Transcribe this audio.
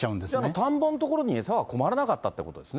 田んぼの所に餌は困らなかったということですね。